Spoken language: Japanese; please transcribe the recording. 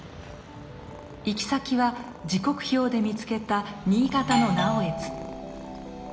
行き先は時刻表で見つけた新潟の直江津。